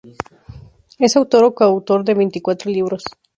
Es autor o coautor de veinticuatro libros.